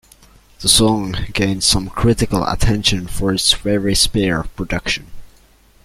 The song gained some critical attention for its very spare production.